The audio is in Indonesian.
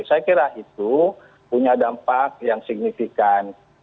saya kira itu punya dampak yang signifikan